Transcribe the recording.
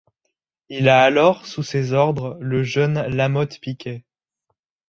Il a alors sous ses ordres le jeune Lamotte-Picquet.